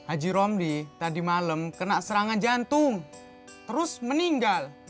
aji romli tadi malem kena serangan jantung terus meninggal